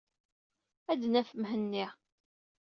Ad d-naf Mhenni.